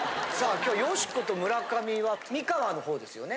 今日よしこと村上は三河の方ですよね？